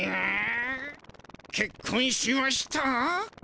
「けっこんしました」？